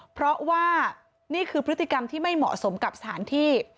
เพราะว่านี่คือพฤติกรรมที่ไม่เหมาะสมกับสถานที่